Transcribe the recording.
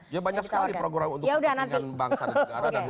ya banyak sekali program untuk kepentingan bangsa dan negara